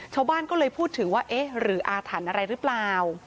ชาวบ้านก็เลยพูดถึงว่าเอ๊ะหรืออาถรรพ์อะไรหรือเปล่า